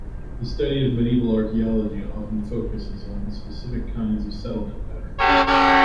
The study of medieval archaeology often focuses on specific kinds of settlement pattern.